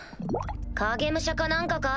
影武者か何かか？